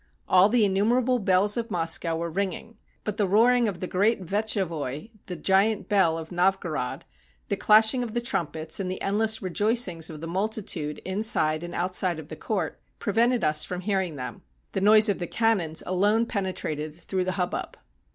All the innumerable bells of Moscow were ringing; but the roaring of the great Wetschewoi (the giant bell of Novgorod), the clashing of the trumpets, and the endless rejoicings of the multitude inside and outside of the court, prevented us from hearing them. The noise of the cannons alone penetrated through the hubbub.